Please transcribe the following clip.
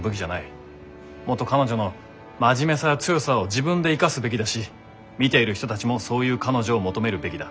もっと彼女の真面目さや強さを自分で生かすべきだし見ている人たちもそういう彼女を求めるべきだ。